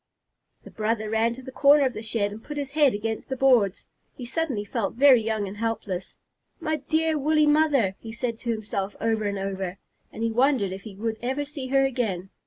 The brother ran to the corner of the shed and put his head against the boards. He suddenly felt very young and helpless. "My dear woolly mother!" he said to himself, over and over, and he wondered if he would ever see her again.